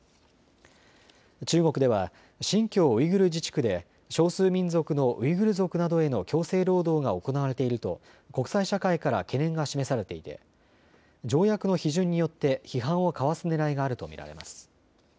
中国では新疆ウイグル自治区で少数民族のウイグル族などへの強制労働が行われていると国際社会から懸念が示されていて条約の批准によって批判をかわすねらいがあると見られます。